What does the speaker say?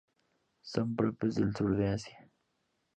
Son propios del sur de Asia.